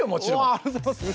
ありがとうございます！